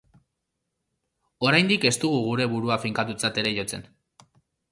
Oraindik ez dugu gure burua finkatutzat ere jotzen.